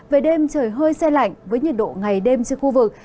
về đêm trời hơi xe lạnh với nhiệt độ ngày đêm trên khu vực